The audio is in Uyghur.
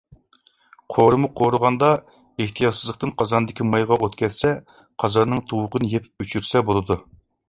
قورۇما قورۇغاندا ئېھتىياتسىزلىقتىن قازاندىكى مايغا ئوت كەتسە، قازاننىڭ تۇۋىقىنى يېپىپ ئۆچۈرسە بولىدۇ.